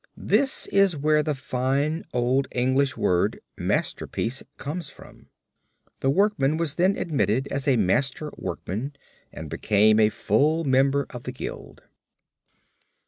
This is where the fine old English word masterpiece comes from. The workman was then admitted as a master workman and became a full member of the guild.